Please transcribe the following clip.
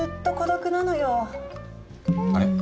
あれ？